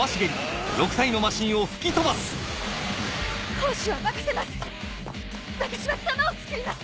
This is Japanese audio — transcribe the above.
砲手は任せます